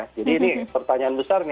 jadi ini pertanyaan besar